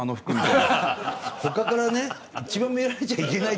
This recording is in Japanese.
他からね一番見られちゃいけない。